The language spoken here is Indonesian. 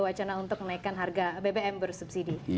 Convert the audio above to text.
wacana untuk menaikkan harga bbm bersubsidi